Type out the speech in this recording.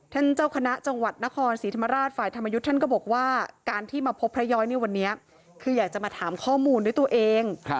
เจ้าคณะจังหวัดนครศรีธรรมราชฝ่ายธรรมยุทธ์ท่านก็บอกว่าการที่มาพบพระย้อยในวันนี้คืออยากจะมาถามข้อมูลด้วยตัวเอง